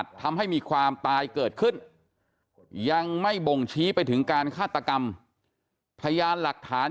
ทำให้มีความตายเกิดขึ้นยังไม่บ่งชี้ไปถึงการฆาตกรรมพยานหลักฐาน